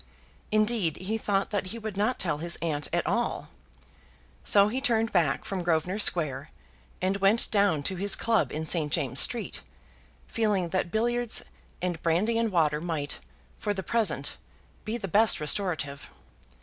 Indeed, he thought that he would not tell his aunt at all. So he turned back from Grosvenor Square, and went down to his club in St. James's Street, feeling that billiards and brandy and water might, for the present, be the best restorative.